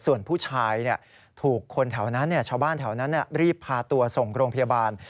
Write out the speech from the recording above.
ส่วนผู้ชายเนี่ยถูกคนแถวนั้นเนี่ยชาวบ้านแถวนั้นเนี่ยรีบพาตัวส่งโรงพยาบาล